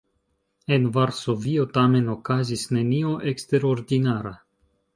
En Varsovio tamen okazis nenio eksterordinara.